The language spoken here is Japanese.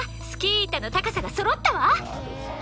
スキー板の高さがそろったわ！